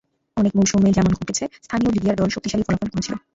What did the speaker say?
অনেক মৌসুমে যেমন ঘটেছে, স্থানীয় লিগিয়ার দল শক্তিশালী ফলাফল করেছিল।